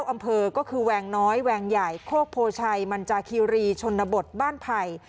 อำเภอก็คือแวงน้อยแวงใหญ่โคกโพชัยมันจาคีรีชนบทบ้านไผ่